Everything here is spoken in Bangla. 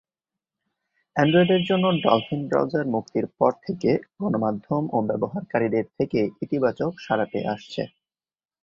অ্যান্ড্রয়েডের জন্য ডলফিন ব্রাউজার মুক্তির পর থেকে গণমাধ্যম ও ব্যবহারকারীদের থেকে ইতিবাচক সাড়া পেয়ে আসছে।